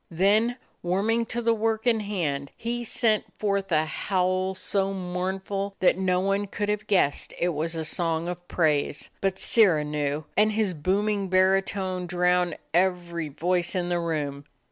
Then, warming to the work in hand, he sent forth a howl so mournful that no one could have guessed it was a song of praise. But Sirrah knew, and his booming baritone drowned every voice in the room.